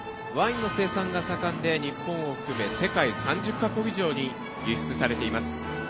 ワインの生産が盛んで日本を含め、世界３０か国以上に輸出されています。